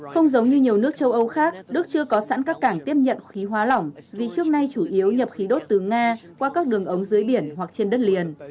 không giống như nhiều nước châu âu khác đức chưa có sẵn các cảng tiếp nhận khí hóa lỏng vì trước nay chủ yếu nhập khí đốt từ nga qua các đường ống dưới biển hoặc trên đất liền